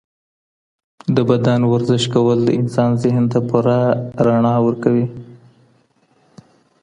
د بدن ورزش کول د انسان ذهن ته پوره رڼا ورکوي.